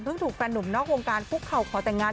ถูกแฟนหนุ่มนอกวงการคุกเข่าขอแต่งงาน